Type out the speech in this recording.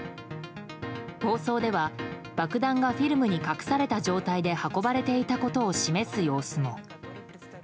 放送では、爆弾がフィルムに隠された状態で運ばれていたことを示す様子も。